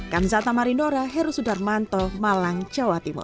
kamsata marinora heru sudarmanto malang jawa timur